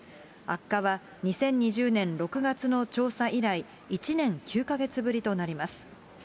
悪化は２０２０年６月の調査以来、１年９か月ぶりとなります。